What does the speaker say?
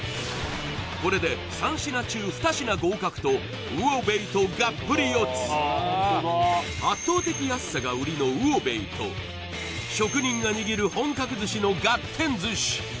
これで３品中２品合格と魚べいとがっぷり四つ圧倒的安さが売りの魚べいと職人が握る本格寿司のがってん寿司